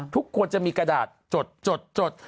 ทุกคนจะมีกระดาษจด